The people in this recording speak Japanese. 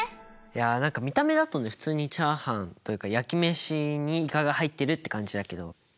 いや何か見た目だとね普通にチャーハンというか焼き飯にイカが入ってるって感じだけど。